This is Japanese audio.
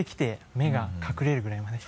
目が隠れるぐらいまで。